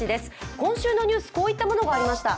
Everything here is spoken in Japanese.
今週のニュース、こういったものがありました。